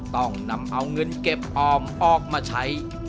ต้องนำเอาเงินเก็บออมออกมาใช้